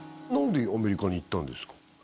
何でアメリカに行ったんですか？